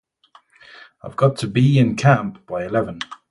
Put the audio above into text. I've got to be in camp by eleven.